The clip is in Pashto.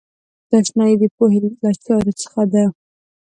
دا آشنایۍ د پوهې له چارو څخه ده.